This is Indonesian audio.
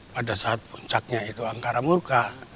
pada saat puncaknya itu angkara murka